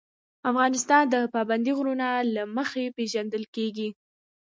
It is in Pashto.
افغانستان د پابندی غرونه له مخې پېژندل کېږي.